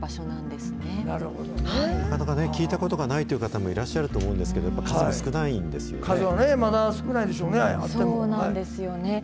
なかなか聞いたことがないという方もいらっしゃると思うんですけど、やっぱり数少ないんですよね。